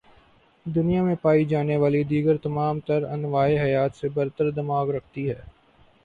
دنیا میں پائی جانے والی دیگر تمام تر انواع حیات سے برتر دماغ رکھتی ہے